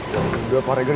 ya udah pak regar